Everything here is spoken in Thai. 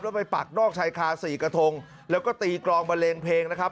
แล้วไปปักนอกชายคาสี่กระทงแล้วก็ตีกรองบันเลงเพลงนะครับ